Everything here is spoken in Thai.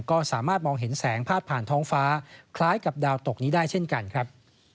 ก็สามารถมองเห็นแสงพาดผ่านท้องฟ้าคล้ายกับดาวตกนี้ได้เช่นกันครับ